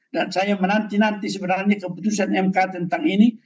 dan saya menanti nanti sebenarnya keputusan mk tentang ini